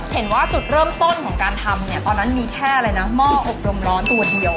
เห็นว่าจุดเริ่มต้นของการทำเนี่ยตอนนั้นมีแค่อะไรนะหม้ออบรมร้อนตัวทีเดียว